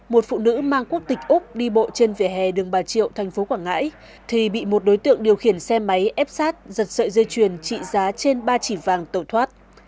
một phụ nữ mang quốc tịch úc đi bộ trên vỉa hè đường bà triệu thành phố quảng ngãi thì bị một đối tượng điều khiển xe máy ép sát giật sợi dây chuyền trị giá trên ba chỉ vàng tẩu thoát